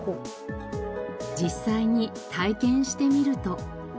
実際に体験してみると。